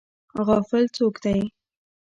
غافل څوک دی؟